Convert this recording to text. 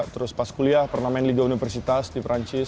terus pas kuliah pernah main liga universitas di perancis